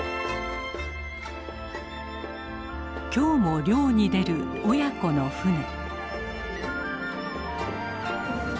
今日も漁に出る親子の船。